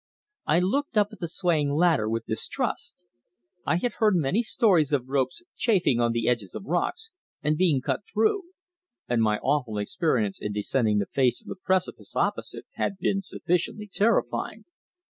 I looked up at the swaying ladder with distrust. I had heard many stories of ropes chafing on the edges of rocks and being cut through, and my awful experience in descending the face of the precipice opposite had been sufficiently terrifying.